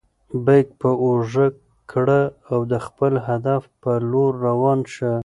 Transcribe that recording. بیک په اوږه کړه او د خپل هدف په لور روان شه.